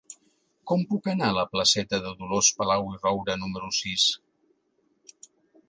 Com puc anar a la placeta de Dolors Palau i Roura número sis?